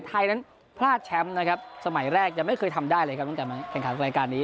ไทยนั้นพลาดแชมป์นะครับสมัยแรกยังไม่เคยทำได้เลยครับตั้งแต่มาแข่งขันรายการนี้